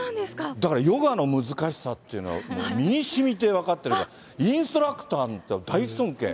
だからヨガの難しさっていうのは、身にしみて分かってるから、インストラクターなんて、大尊敬。